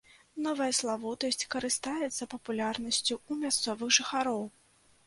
Новая славутасць карыстаецца папулярнасцю ў мясцовых жыхароў.